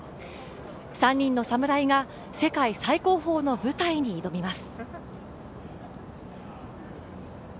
３人の侍が世界最高峰の舞台に挑みます。